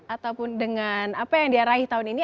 ataupun dengan apa yang diarahi tahun ini